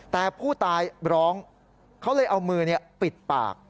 แต่ผู้ตายร้องเขาเลยเอามือปิดปาก